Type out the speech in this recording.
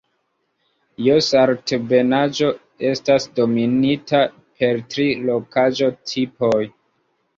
Jos-Altebenaĵo estas dominita per tri rokaĵo-tipoj.